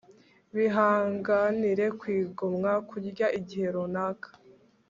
bihanganire kwigomwa kurya igihe runaka …